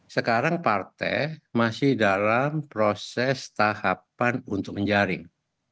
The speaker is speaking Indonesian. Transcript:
sekarang partai masih dalam proses tahapan untuk menjaring